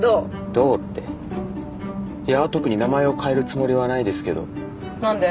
どうっていや特に名前を変えるつもりはないですけどなんで？